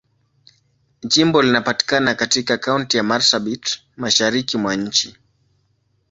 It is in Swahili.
Jimbo linapatikana katika Kaunti ya Marsabit, Mashariki mwa nchi.